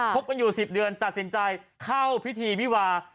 บกันอยู่๑๐เดือนตัดสินใจเข้าพิธีวิวา